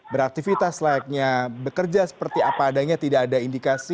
beraktivitas layaknya bekerja seperti apa adanya tidak ada indikasi